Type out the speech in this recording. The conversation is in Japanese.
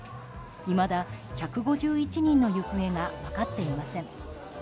いまだ１５１人の行方が分かっていません。